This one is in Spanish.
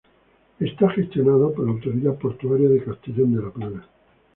Está gestionado por la autoridad portuaria de Castellón de la Plana.